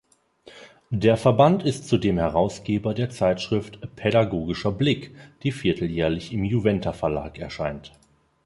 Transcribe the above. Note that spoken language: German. Der Verband ist zudem Herausgeber der Zeitschrift „Pädagogischer Blick“, die vierteljährlich im Juventa-Verlag erscheint.